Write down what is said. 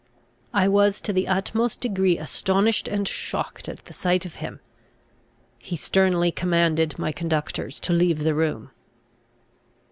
I was to the utmost degree astonished and shocked at the sight of him. He sternly commanded my conductors to leave the room.